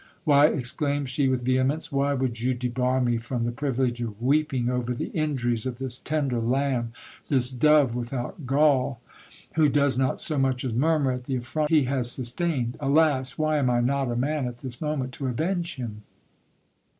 Why, exclaimed she with vehemence, why would you debar me from the privilege of weeping over the injuries of this tender lamb, this dove without gall, who does not so much as murmur at the affront he has sustained ? Alas ! why am I not a man at this moment to avenge him